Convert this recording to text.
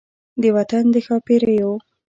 د وطن د ښا پیریو